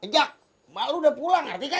ejak mbak lu udah pulang ngerti kagak